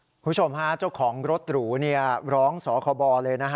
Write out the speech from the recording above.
คุณผู้ชมฮะเจ้าของรถหรูร้องสคบเลยนะฮะ